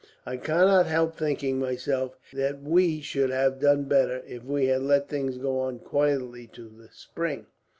I cannot help thinking, myself, that we should have done better if we had let things go on quietly till the spring.